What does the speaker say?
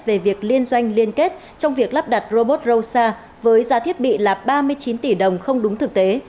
về việc liên doanh liên kết trong việc lắp đặt robot rosa với giá thiết bị là ba mươi chín tỷ đồng không đúng thực tế